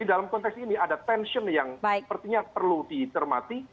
jadi di efek ini ada tension yang sepertinya perlu ditermati